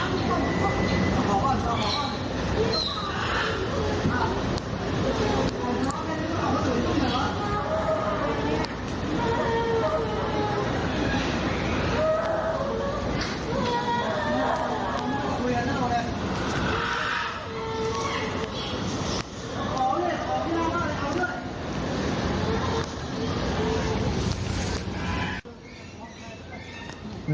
ขอเลี่ยงขอพี่น้องได้ขอด้วย